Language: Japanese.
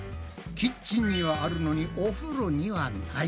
キッチンにはあるのにお風呂にはない。